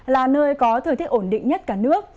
là nơi có thời tiết ổn định nhất cả nước